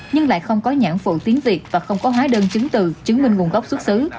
nhưng lại không có nhãn phụ tiếng việt và không có hóa đơn chứng từ chứng minh nguồn gốc xuất xứ